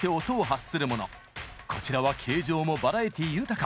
こちらは形状もバラエティー豊か。